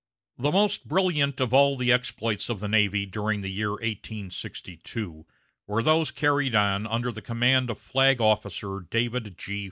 The most brilliant of all the exploits of the navy during the year 1862 were those carried on under the command of Flag Officer David G.